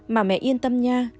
mà mẹ yên tâm nha